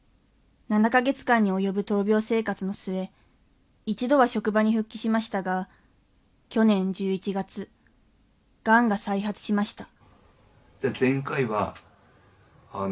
７か月間に及ぶ闘病生活の末一度は職場に復帰しましたが去年１１月がんが再発しました